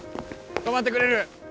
止まってくれる？